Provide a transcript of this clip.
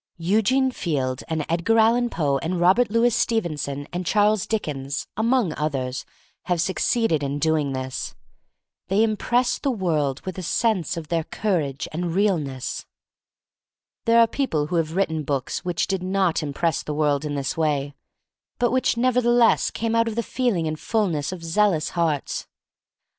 Eugene Field and Edgar Allan Poe and Robert Louis Stevenson and Charles Dickens, among others, have succeeded in doing this. They impress THE STORY OF MARY MAC LANE QI the world with a sense of their courage' and realness. There are people who have written books which did not impress the world in this way, but which nevertheless came out of the feeling and fullness of zealous hearts.